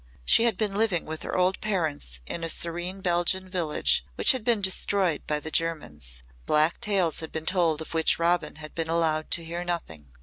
She had been living with her old parents in a serene Belgian village which had been destroyed by the Germans. Black tales had been told of which Robin had been allowed to hear nothing.